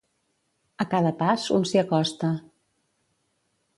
A cada pas un s'hi acosta.